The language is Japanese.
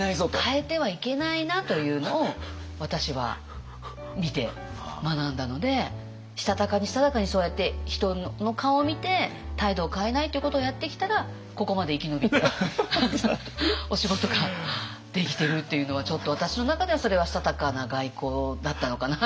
変えてはいけないなというのを私は見て学んだのでしたたかにしたたかにそうやって人の顔を見て態度を変えないということをやってきたらここまで生き延びてお仕事ができているというのはちょっと私の中ではそれはしたたかな外交だったのかなっていう。